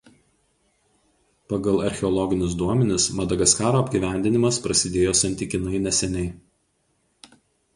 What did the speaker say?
Pagal archeologinius duomenis Madagaskaro apgyvendinimas prasidėjo santykinai neseniai.